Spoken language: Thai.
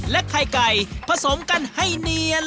ไข่ไก่ผสมกันให้เนียน